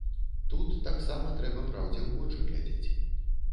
Тут таксама трэба праўдзе ў вочы глядзець.